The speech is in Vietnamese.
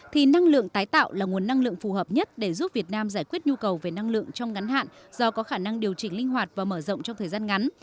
thì năng lượng tái tạo là nguồn năng lượng phù hợp nhất để giúp việt nam giải quyết nhu cầu về năng lượng trong ngắn hạn do có khả năng điều chỉnh linh hoạt và mở rộng trong thời gian ngắn